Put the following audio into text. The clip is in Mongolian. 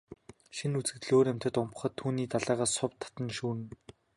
Шинэ үзэгдэл өөр амтанд умбахад түүний далайгаас сувд, тана шүүрдэнэ.